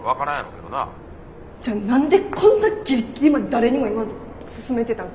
じゃ何でこんなギリギリまで誰にも言わんと進めてたん？